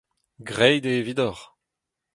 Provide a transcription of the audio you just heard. Graet eo evidoc'h !